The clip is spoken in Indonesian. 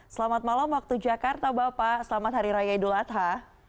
selamat malam waktu jakarta bapak selamat hari raya idul adha